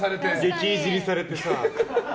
激いじりされてさ。